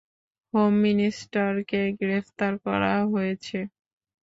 Home মিনিস্টারকে গ্রেফতার করা হয়েছে।